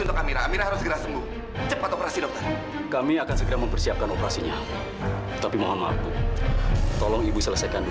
untuk mencari penyakit yang terjadi